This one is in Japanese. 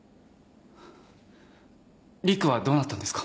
陸はどうなったんですか？